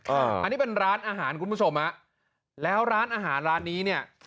อันนี้เป็นร้านอาหารคุณผู้ชมฮะแล้วร้านอาหารร้านนี้เนี่ย